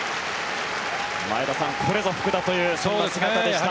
前田さん、これぞ福田というそんな姿でした。